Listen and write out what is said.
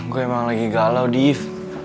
gue emang lagi galau dief